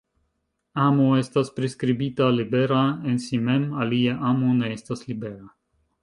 Amo estas priskribita libera en si mem, alie amo ne estas libera.